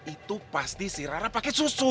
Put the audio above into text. itu pasti si ra ra pakai susu